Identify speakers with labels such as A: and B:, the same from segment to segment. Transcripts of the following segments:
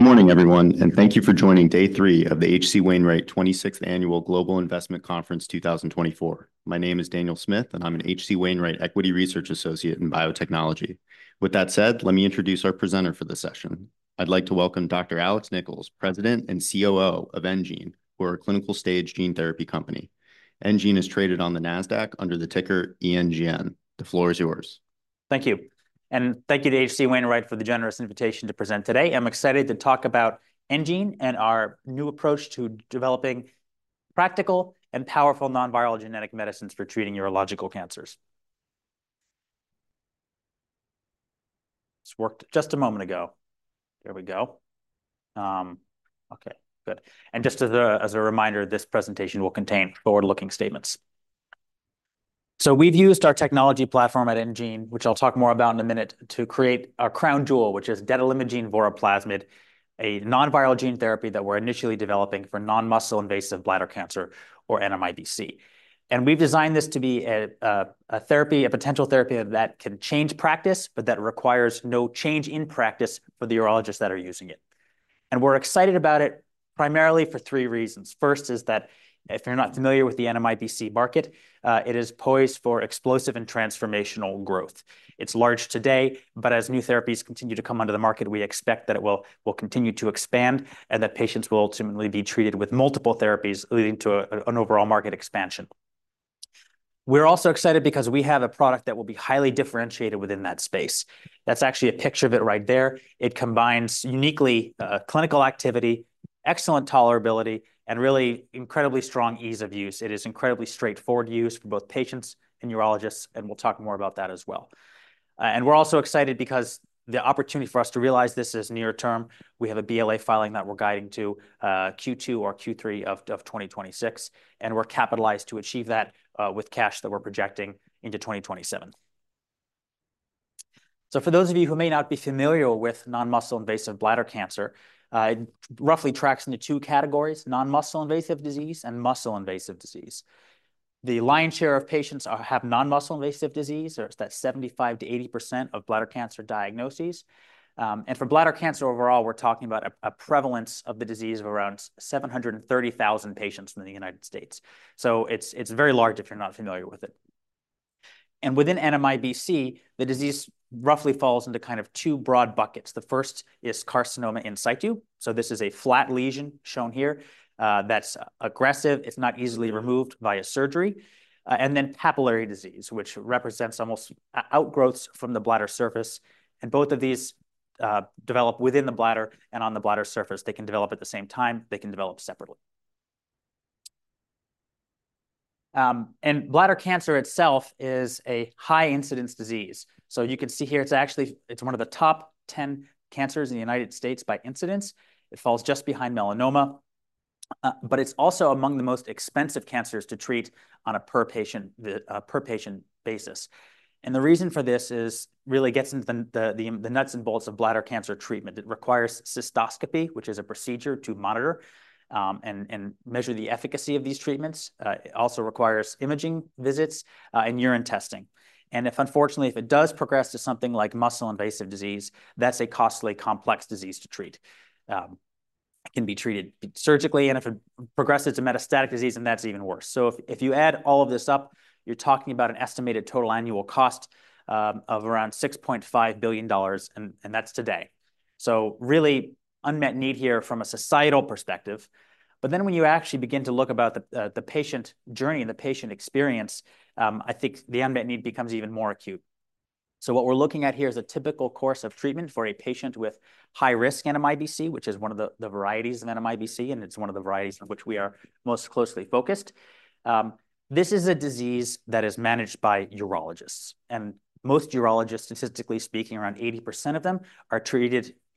A: Good morning, everyone, and thank you for joining day three of the H.C. Wainwright 26th Annual Global Investment Conference 2024. My name is Daniel Smith, and I'm an H.C. Wainwright equity research associate in biotechnology. With that said, let me introduce our presenter for this session. I'd like to welcome Dr. Alex Nichols, President and COO of enGene, who are a clinical stage gene therapy company. enGene is traded on the Nasdaq under the ticker ENGN. The floor is yours.
B: Thank you, and thank you to H.C. Wainwright for the generous invitation to present today. I'm excited to talk about enGene and our new approach to developing practical and powerful non-viral genetic medicines for treating urological cancers. This worked just a moment ago. There we go. Okay, good. And just as a reminder, this presentation will contain forward-looking statements. So we've used our technology platform at enGene, which I'll talk more about in a minute, to create our crown jewel, which is detalimogene voraplasmid, a non-viral gene therapy that we're initially developing for non-muscle invasive bladder cancer, or NMIBC. And we've designed this to be a therapy, a potential therapy that can change practice, but that requires no change in practice for the urologists that are using it. And we're excited about it primarily for three reasons. First is that if you're not familiar with the NMIBC market, it is poised for explosive and transformational growth. It's large today, but as new therapies continue to come onto the market, we expect that it will continue to expand and that patients will ultimately be treated with multiple therapies, leading to an overall market expansion. We're also excited because we have a product that will be highly differentiated within that space. That's actually a picture of it right there. It combines uniquely clinical activity, excellent tolerability, and really incredibly strong ease of use. It is incredibly straightforward use for both patients and urologists, and we'll talk more about that as well. And we're also excited because the opportunity for us to realize this is near term. We have a BLA filing that we're guiding to Q2 or Q3 of 2026, and we're capitalized to achieve that with cash that we're projecting into 2027. So for those of you who may not be familiar with non-muscle invasive bladder cancer, it roughly tracks into two categories: non-muscle invasive disease and muscle invasive disease. The lion's share of patients have non-muscle invasive disease, or it's that 75%-80% of bladder cancer diagnoses. And for bladder cancer overall, we're talking about a prevalence of the disease of around 730,000 patients in the United States. So it's very large if you're not familiar with it. And within NMIBC, the disease roughly falls into kind of two broad buckets. The first is carcinoma in situ. So this is a flat lesion, shown here, that's aggressive. It's not easily removed via surgery. Papillary disease, which represents outgrowths from the bladder surface, and both of these develop within the bladder and on the bladder surface. They can develop at the same time. They can develop separately. Bladder cancer itself is a high-incidence disease. You can see here. It's actually one of the top 10 cancers in the United States by incidence. It falls just behind melanoma, but it's also among the most expensive cancers to treat on a per patient basis. The reason for this really gets into the nuts and bolts of bladder cancer treatment. It requires cystoscopy, which is a procedure to monitor and measure the efficacy of these treatments. It also requires imaging visits and urine testing. If, unfortunately, if it does progress to something like muscle-invasive disease, that's a costly, complex disease to treat. It can be treated surgically, and if it progresses to metastatic disease, then that's even worse. If you add all of this up, you're talking about an estimated total annual cost of around $6.5 billion, and that's today. Really unmet need here from a societal perspective. When you actually begin to look about the patient journey and the patient experience, I think the unmet need becomes even more acute. What we're looking at here is a typical course of treatment for a patient with high-risk NMIBC, which is one of the varieties of NMIBC, and it's one of the varieties on which we are most closely focused. This is a disease that is managed by urologists, and most urologists, statistically speaking, around 80% of them,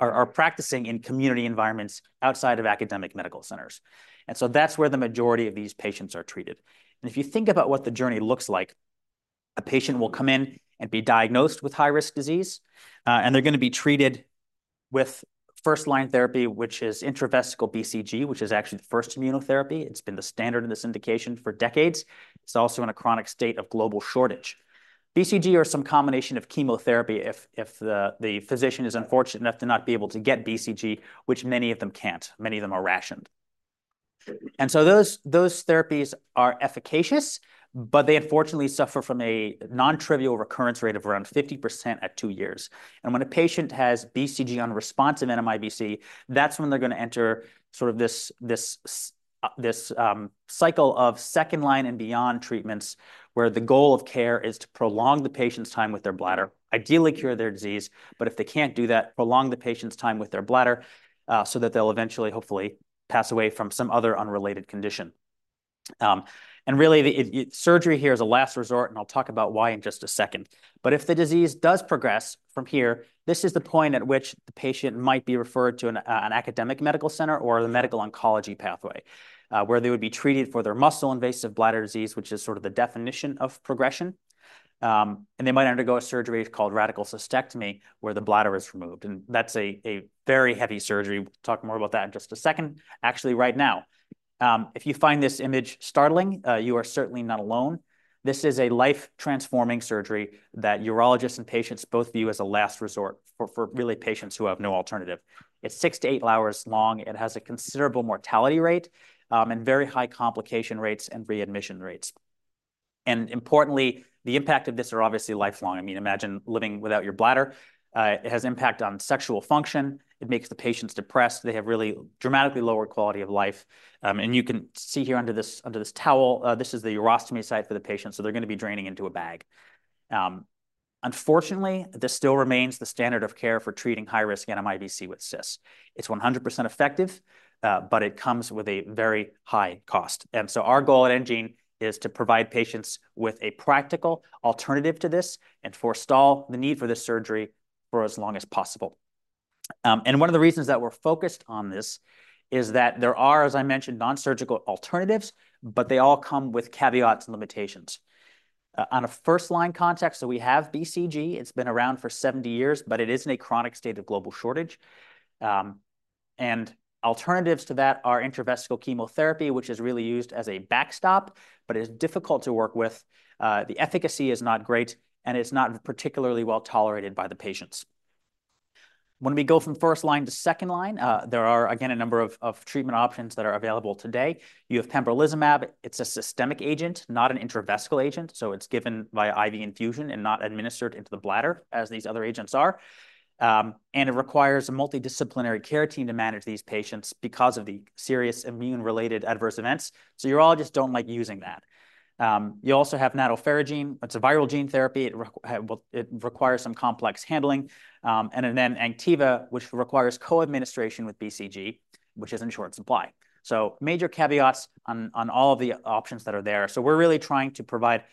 B: are practicing in community environments outside of academic medical centers. And so that's where the majority of these patients are treated. If you think about what the journey looks like, a patient will come in and be diagnosed with high-risk disease, and they're going to be treated with first-line therapy, which is intravesical BCG, which is actually the first immunotherapy. It's been the standard of this indication for decades. It's also in a chronic state of global shortage. BCG or some combination of chemotherapy, if the physician is unfortunate enough to not be able to get BCG, which many of them can't. Many of them are rationed. Those therapies are efficacious, but they unfortunately suffer from a non-trivial recurrence rate of around 50% at two years. When a patient has BCG-unresponsive NMIBC, that's when they're going to enter sort of this cycle of second-line and beyond treatments, where the goal of care is to prolong the patient's time with their bladder, ideally cure their disease. If they can't do that, prolong the patient's time with their bladder, so that they'll eventually, hopefully, pass away from some other unrelated condition. Really, surgery here is a last resort, and I'll talk about why in just a second. But if the disease does progress from here, this is the point at which the patient might be referred to an academic medical center or the medical oncology pathway, where they would be treated for their muscle-invasive bladder disease, which is sort of the definition of progression. And they might undergo a surgery called radical cystectomy, where the bladder is removed, and that's a very heavy surgery. We'll talk more about that in just a second. Actually, right now, if you find this image startling, you are certainly not alone. This is a life-transforming surgery that urologists and patients both view as a last resort for really patients who have no alternative. It's six to eight hours long. It has a considerable mortality rate, and very high complication rates and readmission rates, and importantly, the impact of this are obviously lifelong. I mean, imagine living without your bladder. It has impact on sexual function, it makes the patients depressed. They have really dramatically lower quality of life. And you can see here under this towel, this is the urostomy site for the patient, so they're gonna be draining into a bag. Unfortunately, this still remains the standard of care for treating high-risk NMIBC with CIS. It's 100% effective, but it comes with a very high cost. And so our goal at enGene is to provide patients with a practical alternative to this and forestall the need for this surgery for as long as possible. And one of the reasons that we're focused on this is that there are, as I mentioned, non-surgical alternatives, but they all come with caveats and limitations. On a first-line context, so we have BCG. It's been around for 70 years, but it is in a chronic state of global shortage, and alternatives to that are intravesical chemotherapy, which is really used as a backstop, but is difficult to work with. The efficacy is not great, and it's not particularly well-tolerated by the patients. When we go from first line to second line, there are, again, a number of treatment options that are available today. You have pembrolizumab. It's a systemic agent, not an intravesical agent, so it's given via IV infusion and not administered into the bladder as these other agents are, and it requires a multidisciplinary care team to manage these patients because of the serious immune-related adverse events, so urologists don't like using that. You also have nadofaragene firadenovec. It's a viral gene therapy. Well, it requires some complex handling. And then Anktiva, which requires co-administration with BCG, which is in short supply. So major caveats on all of the options that are there. So we're really trying to provide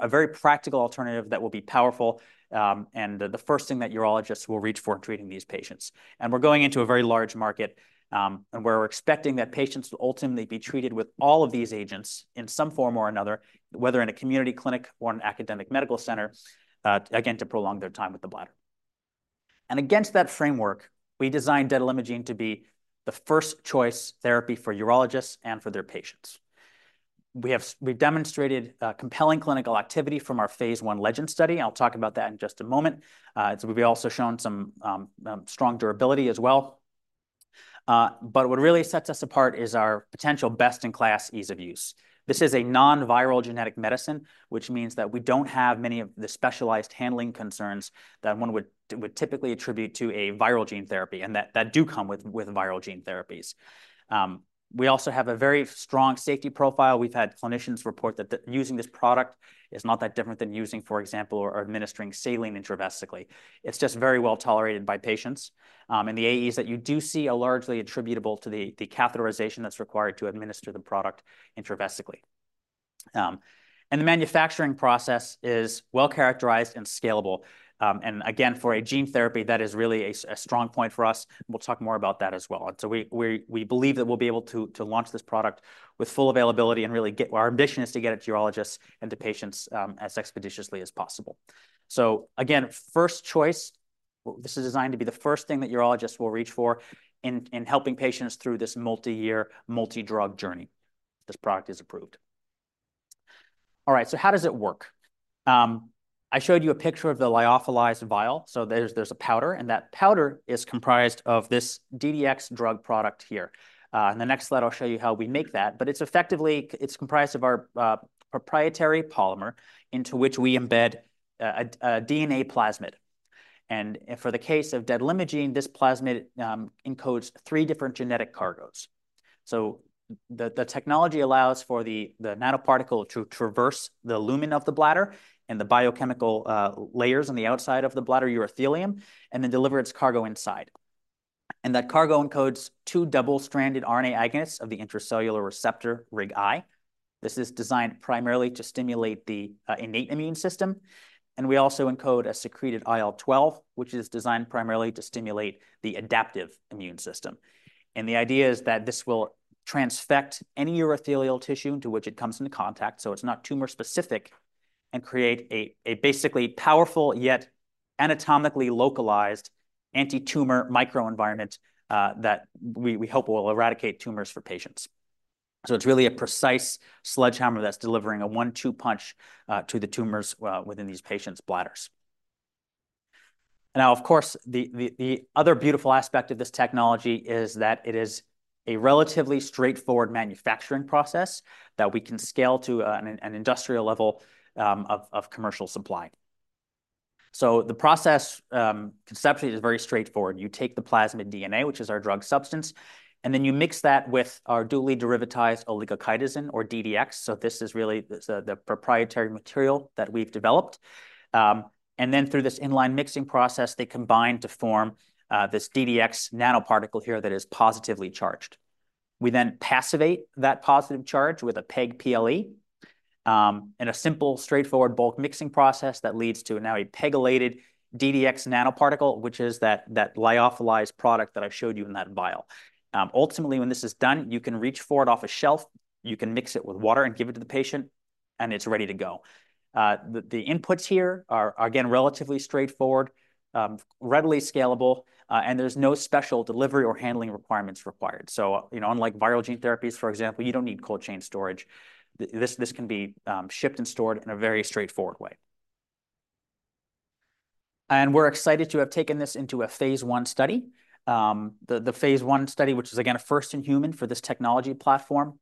B: a very practical alternative that will be powerful, and the first thing that urologists will reach for in treating these patients. And we're going into a very large market, and we're expecting that patients will ultimately be treated with all of these agents in some form or another, whether in a community clinic or an academic medical center, again, to prolong their time with the bladder. And against that framework, we designed detalimogene to be the first choice therapy for urologists and for their patients. We've demonstrated compelling clinical activity from our phase I LEGEND study. I'll talk about that in just a moment. So we've also shown some strong durability as well. But what really sets us apart is our potential best-in-class ease of use. This is a non-viral genetic medicine, which means that we don't have many of the specialized handling concerns that one would typically attribute to a viral gene therapy, and that do come with viral gene therapies. We also have a very strong safety profile. We've had clinicians report that using this product is not that different than using, for example, administering saline intravesically. It's just very well tolerated by patients, and the AEs that you do see are largely attributable to the catheterization that's required to administer the product intravesically. And the manufacturing process is well characterized and scalable. And again, for a gene therapy, that is really a strong point for us. We'll talk more about that as well. And so we believe that we'll be able to launch this product with full availability and really get. Our ambition is to get it to urologists and to patients as expeditiously as possible. So again, first choice, this is designed to be the first thing that urologists will reach for in helping patients through this multi-year, multi-drug journey if this product is approved. All right, so how does it work? I showed you a picture of the lyophilized vial. So there's a powder, and that powder is comprised of this DDX drug product here. In the next slide, I'll show you how we make that, but it's effectively, it's comprised of our proprietary polymer into which we embed a DNA plasmid, and for the case of detalimogene, this plasmid encodes three different genetic cargos. So the technology allows for the nanoparticle to traverse the lumen of the bladder and the biochemical layers on the outside of the bladder urothelium, and then deliver its cargo inside, and that cargo encodes two double-stranded RNA agonists of the intracellular receptor RIG-I. This is designed primarily to stimulate the innate immune system, and we also encode a secreted IL-12, which is designed primarily to stimulate the adaptive immune system. The idea is that this will transfect any urothelial tissue to which it comes into contact, so it's not tumor specific, and create a basically powerful yet anatomically localized anti-tumor microenvironment that we hope will eradicate tumors for patients. So it's really a precise sledgehammer that's delivering a one-two punch to the tumors within these patients' bladders. Now, of course, the other beautiful aspect of this technology is that it is a relatively straightforward manufacturing process that we can scale to an industrial level of commercial supply. So the process conceptually is very straightforward. You take the plasmid DNA, which is our drug substance, and then you mix that with our dually derivatized oligochitosan or DDX. So this is really the proprietary material that we've developed. And then through this in-line mixing process, they combine to form this DDX nanoparticle here that is positively charged. We then passivate that positive charge with a PEG-PLE, and a simple, straightforward bulk mixing process that leads to now a PEGylated DDX nanoparticle, which is that, that lyophilized product that I showed you in that vial. Ultimately, when this is done, you can reach for it off a shelf, you can mix it with water and give it to the patient, and it's ready to go. The inputs here are, again, relatively straightforward, readily scalable, and there's no special delivery or handling requirements required. So, you know, unlike viral gene therapies, for example, you don't need cold chain storage. This can be shipped and stored in a very straightforward way.... We're excited to have taken this into a phase I study. The phase I study, which is again a first in human for this technology platform,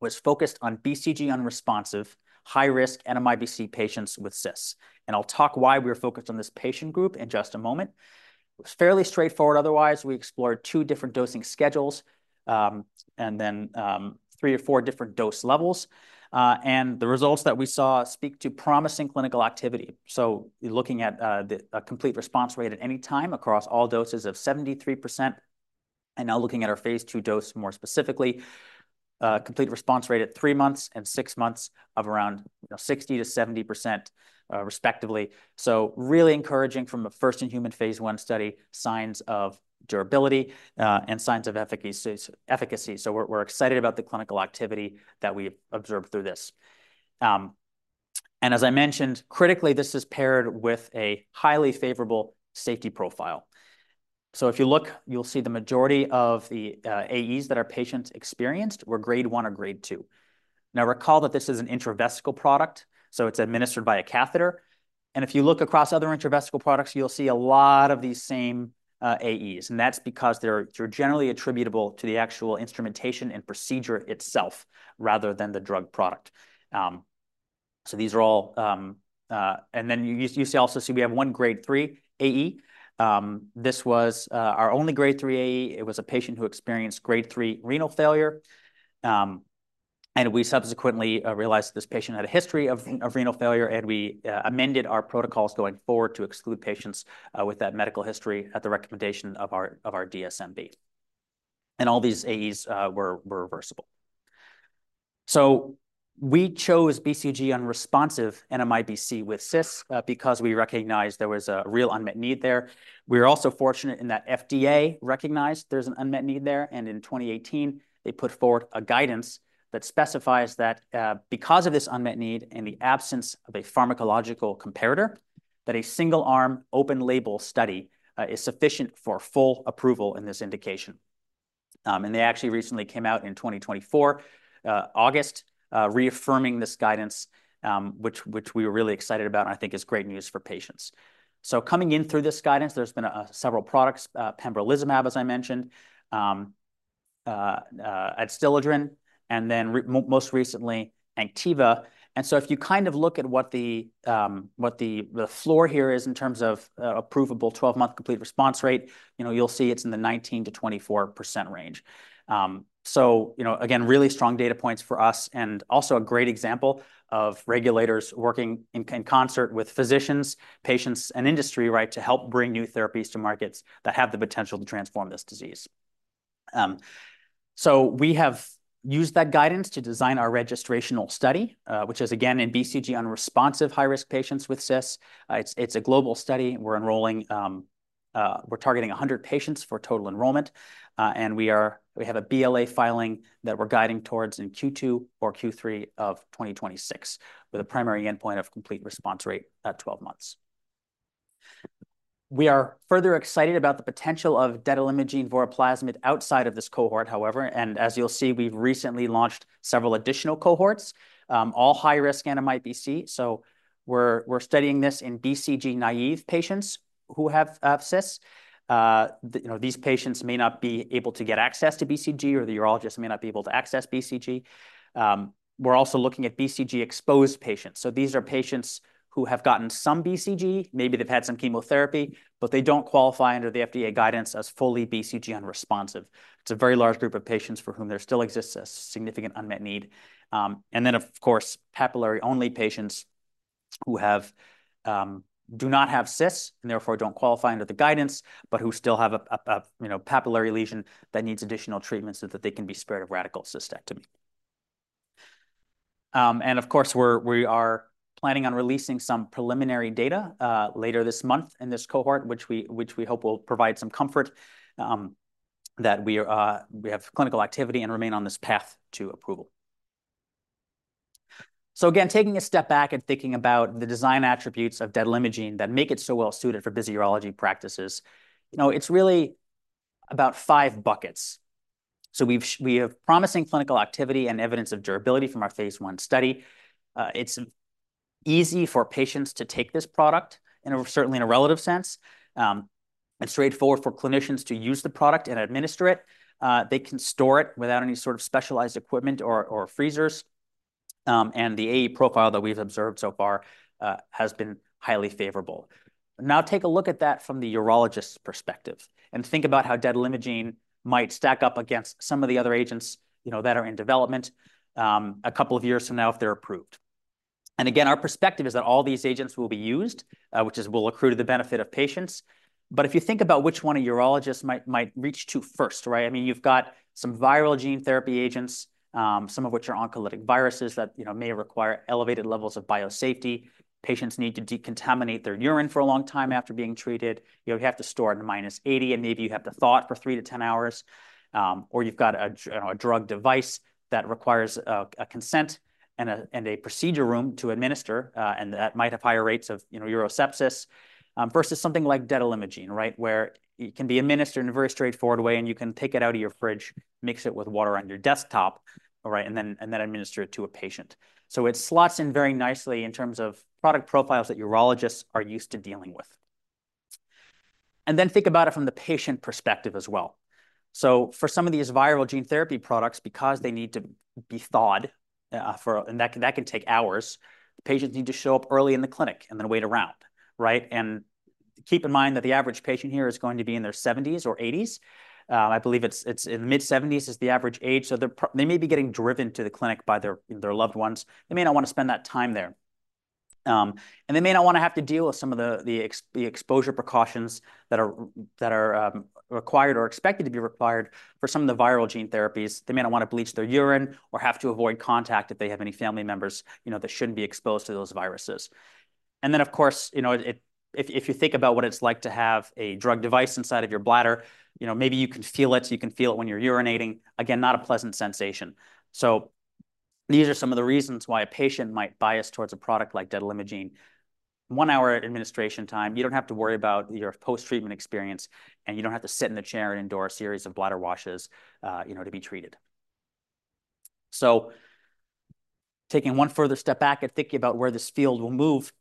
B: was focused on BCG unresponsive, high-risk NMIBC patients with CIS. I'll talk why we are focused on this patient group in just a moment. It was fairly straightforward, otherwise. We explored two different dosing schedules and then three or four different dose levels. And the results that we saw speak to promising clinical activity. Looking at a complete response rate at any time across all doses of 73%, and now looking at our phase II dose, more specifically, a complete response rate at three months and six months of around, you know, 60%-70%, respectively. So really encouraging from a first-in-human phase I study, signs of durability, and signs of efficacy. So we're excited about the clinical activity that we've observed through this. And as I mentioned, critically, this is paired with a highly favorable safety profile. So if you look, you'll see the majority of the AEs that our patients experienced were Grade One or Grade Two. Now, recall that this is an intravesical product, so it's administered by a catheter. And if you look across other intravesical products, you'll see a lot of these same AEs, and that's because they're generally attributable to the actual instrumentation and procedure itself, rather than the drug product. And then you also see we have one Grade Three AE. This was our only Grade Three AE. It was a patient who experienced grade 3 renal failure. And we subsequently realized this patient had a history of renal failure, and we amended our protocols going forward to exclude patients with that medical history at the recommendation of our DSMB. And all these AEs were reversible. So we chose BCG unresponsive NMIBC with CIS because we recognized there was a real unmet need there. We are also fortunate in that FDA recognized there's an unmet need there, and in 2018, they put forward a guidance that specifies that because of this unmet need and the absence of a pharmacological comparator, that a single-arm, open-label study is sufficient for full approval in this indication. And they actually recently came out in 2024, August, reaffirming this guidance, which we were really excited about, and I think is great news for patients. So coming in through this guidance, there's been several products, pembrolizumab, as I mentioned, Adstiladrin, and then most recently, Anktiva. And so if you kind of look at what the floor here is in terms of approvable twelve-month complete response rate, you know, you'll see it's in the 19%-24% range. So you know, again, really strong data points for us, and also a great example of regulators working in concert with physicians, patients, and industry, right, to help bring new therapies to markets that have the potential to transform this disease. So we have used that guidance toto yu design our registrational study, which is again in BCG-unresponsive high-risk patients with CIS. It's a global study. We're enrolling-- we're targeting a hundred patients for total enrollment, and we are-- we have a BLA filing that we're guiding towards in Q2 or Q3 of twenty twenty-six, with a primary endpoint of complete response rate at twelve months. We are further excited about the potential of detalimogene voraplasmid outside of this cohort, however, and as you'll see, we've recently launched several additional cohorts, all high-risk NMIBC. So we're studying this in BCG-naive patients who have CIS. You know, these patients may not be able to get access to BCG, or the urologist may not be able to access BCG. We're also looking at BCG-exposed patients. So these are patients who have gotten some BCG, maybe they've had some chemotherapy, but they don't qualify under the FDA guidance as fully BCG unresponsive. It's a very large group of patients for whom there still exists a significant unmet need. And then, of course, papillary-only patients who do not have CIS, and therefore don't qualify under the guidance, but who still have a you know, papillary lesion that needs additional treatment so that they can be spared a radical cystectomy. And of course, we are planning on releasing some preliminary data later this month in this cohort, which we hope will provide some comfort that we are, we have clinical activity and remain on this path to approval. So again, taking a step back and thinking about the design attributes of detalimogene that make it so well suited for busy urology practices. You know, it's really about five buckets. We have promising clinical activity and evidence of durability from our phase I study. It's easy for patients to take this product, and certainly in a relative sense. It's straightforward for clinicians to use the product and administer it. They can store it without any sort of specialized equipment or freezers. And the AE profile that we've observed so far has been highly favorable. Now take a look at that from the urologist's perspective and think about how detalimogene might stack up against some of the other agents, you know, that are in development a couple of years from now, if they're approved. And again, our perspective is that all these agents will be used, which will accrue to the benefit of patients. But if you think about which one a urologist might reach to first, right? I mean, you've got some viral gene therapy agents, some of which are oncolytic viruses that, you know, may require elevated levels of biosafety. Patients need to decontaminate their urine for a long time after being treated. You have to store it in minus 80, and maybe you have to thaw it for 3-10 hours. Or you've got a drug device that requires a consent and a procedure room to administer, and that might have higher rates of, you know, urosepsis. Versus something like detalimogene, right? Where it can be administered in a very straightforward way, and you can take it out of your fridge, mix it with water on your desktop, all right, and then administer it to a patient. So it slots in very nicely in terms of product profiles that urologists are used to dealing with. And then think about it from the patient perspective as well. So for some of these viral gene therapy products, because they need to be thawed, and that can take hours, the patients need to show up early in the clinic and then wait around, right? And keep in mind that the average patient here is going to be in their seventies or eighties. I believe it's in the mid-seventies is the average age. So they're they may be getting driven to the clinic by their loved ones. They may not wanna spend that time there, and they may not wanna have to deal with some of the exposure precautions that are required or expected to be required for some of the viral gene therapies. They may not wanna bleach their urine or have to avoid contact if they have any family members, you know, that shouldn't be exposed to those viruses. And then, of course, you know, if you think about what it's like to have a drug device inside of your bladder, you know, maybe you can feel it, so you can feel it when you're urinating. Again, not a pleasant sensation, so these are some of the reasons why a patient might bias towards a product like detalimogene. One-hour administration time, you don't have to worry about your post-treatment experience, and you don't have to sit in the chair and endure a series of bladder washes, you know, to be treated. So taking one further step back and thinking about where this field will move,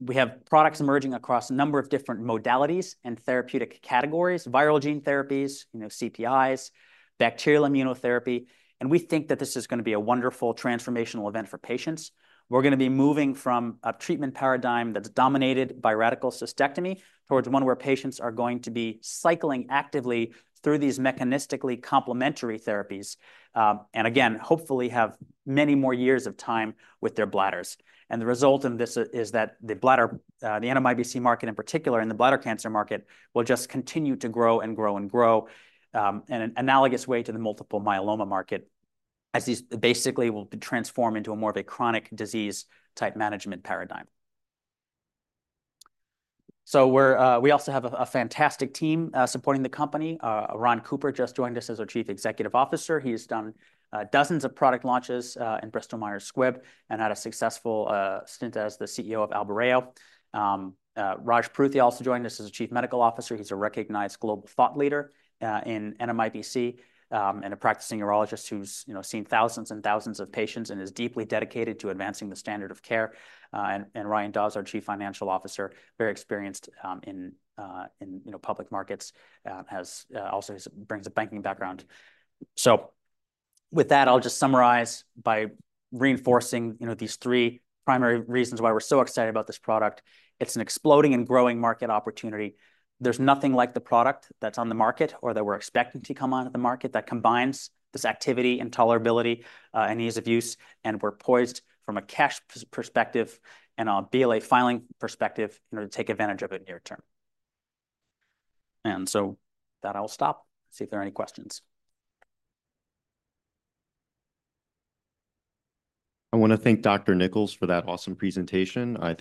B: we have products emerging across a number of different modalities and therapeutic categories, viral gene therapies, you know, CPIs, bacterial immunotherapy, and we think that this is gonna be a wonderful transformational event for patients. We're gonna be moving from a treatment paradigm that's dominated by radical cystectomy, towards one where patients are going to be cycling actively through these mechanistically complementary therapies, and again, hopefully have many more years of time with their bladders. And the result in this is that the bladder, the NMIBC market in particular, and the bladder cancer market, will just continue to grow and grow and grow, in an analogous way to the multiple myeloma market, as these basically will transform into a more of a chronic disease-type management paradigm. So we're. We also have a fantastic team supporting the company. Ron Cooper just joined us as our Chief Executive Officer. He's done dozens of product launches in Bristol-Myers Squibb and had a successful stint as the CEO of Albireo. Raj Pruthi also joined us as a Chief Medical Officer. He's a recognized global thought leader in NMIBC, and a practicing urologist who's, you know, seen thousands and thousands of patients and is deeply dedicated to advancing the standard of care. And Ryan Daws, our Chief Financial Officer, very experienced in public markets, also brings a banking background. So with that, I'll just summarize by reinforcing, you know, these three primary reasons why we're so excited about this product. It's an exploding and growing market opportunity. There's nothing like the product that's on the market or that we're expecting to come onto the market that combines this activity and tolerability and ease of use. And we're poised from a cash perspective and a BLA filing perspective, in order to take advantage of it near term. And so with that, I'll stop, see if there are any questions.
A: I wanna thank Dr. Nichols for that awesome presentation. I think-